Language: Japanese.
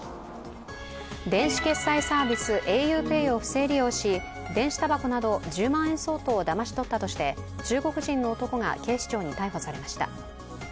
電子決済サービス、ａｕＰＡＹを不正利用し、電子たばこなど１０万円相当をだまし取ったとして中国人の男が警視庁に逮捕されました。